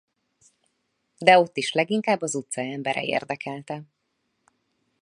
De ott is leginkább az utca embere érdekelte.